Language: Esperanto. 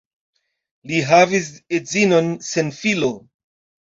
Li havis edzinon sen filo.